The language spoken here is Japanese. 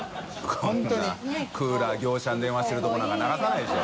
海鵑クーラー業者に電話してるところなんか流さないでしょ。